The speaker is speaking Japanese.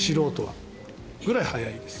それぐらい速いです。